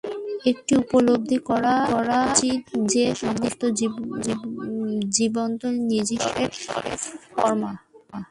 একটি উপলব্ধি করা উচিত যে সমস্ত জীবন্ত জিনিস ঈশ্বরের ফর্ম।